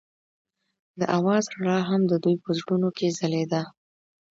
د اواز رڼا هم د دوی په زړونو کې ځلېده.